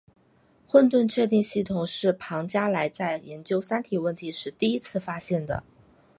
混沌确定系统是庞加莱在研究三体问题时第一次发现的。